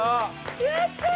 やったー！